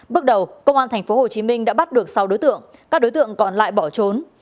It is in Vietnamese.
bước đầu công an tp hcm đã bắt được sáu đối tượng các đối tượng còn lại bỏ trốn